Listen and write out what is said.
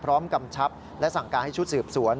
กำชับและสั่งการให้ชุดสืบสวน